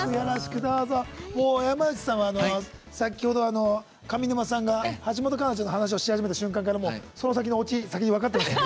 山内さんは先ほど、上沼さんが橋本環奈さんの話をした先からもうその先のオチもう分かってましたね。